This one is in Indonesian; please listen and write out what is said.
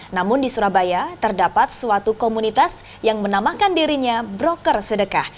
namun di surabaya terdapat suatu komunitas yang menamakan dirinya broker sedekah